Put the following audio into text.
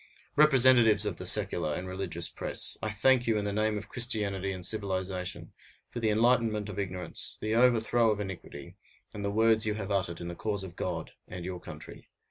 Representatives of the secular and religious press! I thank you, in the name of Christianity and civilization, for the enlightenment of ignorance, the overthrow of iniquity, and the words you have uttered in the cause of God and your country.